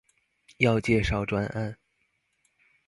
要介紹專案